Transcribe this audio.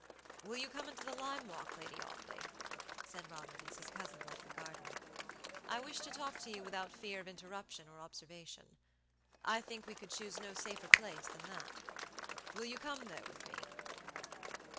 "Will you come into the lime walk, Lady Audley?" said Robert, as his cousin left the garden. "I wish to talk to you without fear of interruption or observation. I think we could choose no safer place than that. Will you come there with me?"